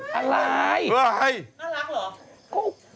น่ารักเหรอ